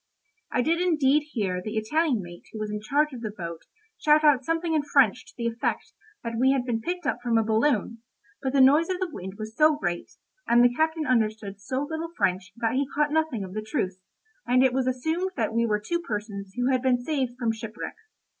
I did indeed hear the Italian mate who was in charge of the boat shout out something in French to the effect that we had been picked up from a balloon, but the noise of the wind was so great, and the captain understood so little French that he caught nothing of the truth, and it was assumed that we were two persons who had been saved from shipwreck.